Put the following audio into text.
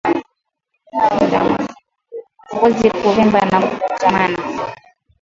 Ngozi kuvimba na kukunjamana